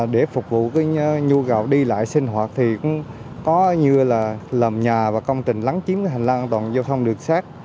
để phục vụ cái nhu gạo đi lại sinh hoạt thì cũng có như là làm nhà và công tình lắng chiếm hành lang an toàn giao thông đường sắt